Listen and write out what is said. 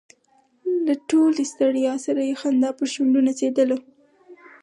له ټولې ستړیا سره یې خندا پر شونډو نڅېدله.